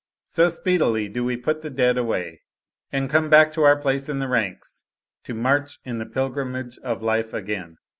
So speedily do we put the dead away and come back to our place in the ranks to march in the pilgrimage of life again.